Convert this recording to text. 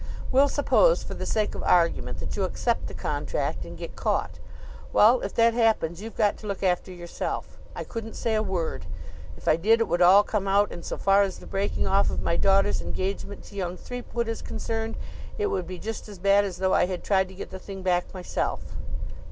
We'll suppose, for the sake of argument, that you accept the contract and get caught. Well, if that happens you've got to look after yourself. I couldn't say a word. If I did it would all come out, and so far as the breaking off of my daughter's engagement to young Threepwood is concerned, it would be just as bad as though I had tried to get the thing back myself.